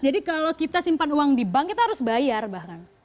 jadi kalau kita simpan uang di bank kita harus bayar bahkan